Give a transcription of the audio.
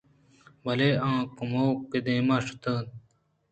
بلے آکمّو کہ دیما شُت اَنت